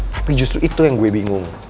tapi justru itu yang gue bingung